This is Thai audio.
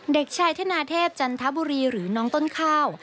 เด็กชายธนาเทพจันทบุรีหรือน้องต้นข้าว